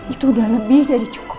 itu udah lebih dari cukup